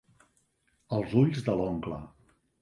Els ulls de l'oncle.